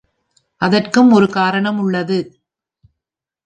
அதற்கும் ஒரு காரணம் உள்ளது.